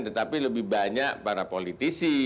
tetapi lebih banyak para politisi